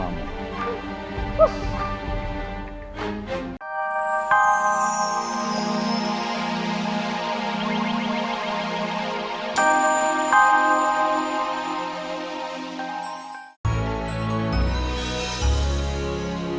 saya adalah encik encik